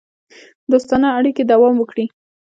دوستانه اړیکې دوام وکړي.